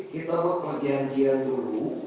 kita berjanjian dulu